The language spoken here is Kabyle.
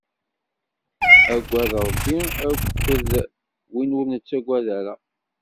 Agad Ṛebbi akked win ur nettagad ara.